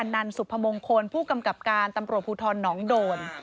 นันสุพมงคลผู้กำกับการตำรวจภูทรหนองโดน